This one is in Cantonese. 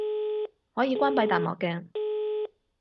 可以關閉彈幕嘅